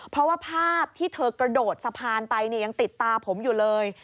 เพราะว่าภาพที่เธอกระโดดสะพานไปยังติดตาผมอยู่เลย